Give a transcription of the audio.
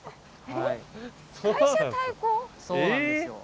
そうなんですよ。